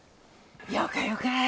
よかよか。